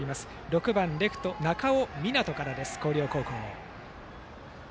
６番レフト、中尾湊からです広陵高校。